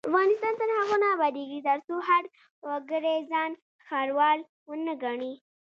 افغانستان تر هغو نه ابادیږي، ترڅو هر وګړی ځان ښاروال ونه ګڼي.